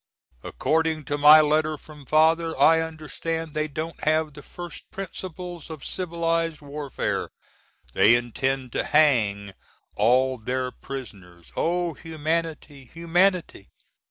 According to my letter from Father I understand they don't have the first principles of Civilized warfare they intend to hang all their prisoners. Oh! humanity! HUMANITY!